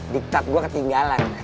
diktut gue ketinggalan